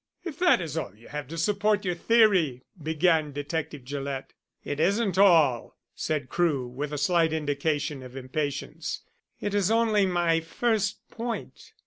"If that is all you have to support your theory " began Detective Gillett. "It isn't all," said Crewe, with a slight indication of impatience. "It is only my first point.